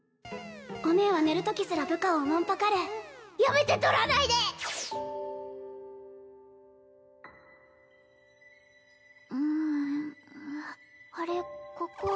お姉は寝る時すら部下をおもんぱかるやめて撮らないでうんあれここは